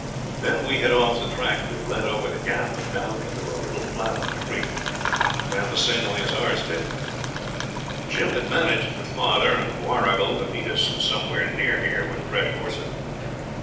Then we hit off the track that led over the Gap and down into a little flat on a creek that ran the same way as ours did. Jim had managed for father and Warrigal to meet us somewhere near here with fresh horses.